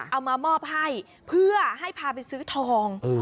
เอามามอบให้เพื่อให้พาไปซื้อทอง